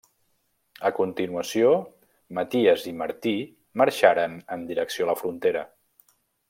A continuació Maties i Martí marxaren en direcció la frontera.